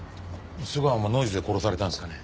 須川もノイズで殺されたんですかね？